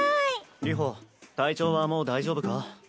流星体調はもう大丈夫か？